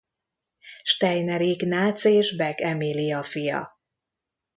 Steiner Ignác és Beck Emília fia.